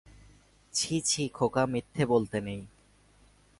ছি ছি খোকা, মিথ্যা বলতে নেই।